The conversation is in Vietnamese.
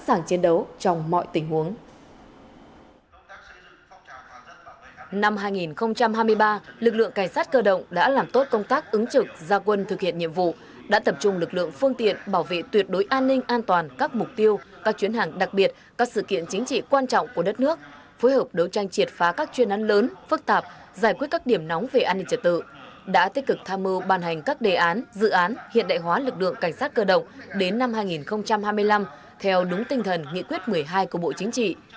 năm hai nghìn hai mươi ba lực lượng cảnh sát cơ động đã làm tốt công tác ứng trực gia quân thực hiện nhiệm vụ đã tập trung lực lượng phương tiện bảo vệ tuyệt đối an ninh an toàn các mục tiêu các chuyến hàng đặc biệt các sự kiện chính trị quan trọng của đất nước phối hợp đấu tranh triệt phá các chuyên án lớn phức tạp giải quyết các điểm nóng về an ninh trật tự đã tích cực tham mưu bàn hành các đề án dự án hiện đại hóa lực lượng cảnh sát cơ động đến năm hai nghìn hai mươi năm theo đúng tinh thần nghị quyết một mươi hai của bộ chính trị